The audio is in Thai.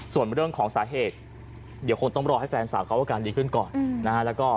ส่วนเรื่องของสาเหตุเดี๋ยวคงต้องรอให้แฟนสาวเขาอาการดีขึ้นก่อนนะฮะ